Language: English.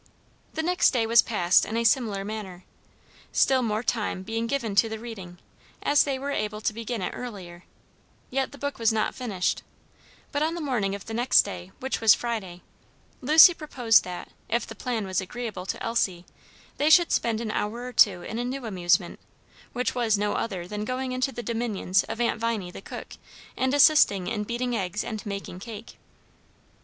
The next day was passed in a similar manner, still more time being given to the reading, as they were able to begin it earlier: yet the book was not finished; but on the morning of the next day, which was Friday, Lucy proposed that, if the plan was agreeable to Elsie, they should spend an hour or two in a new amusement; which was no other than going into the dominions of Aunt Viney, the cook, and assisting in beating eggs and making cake.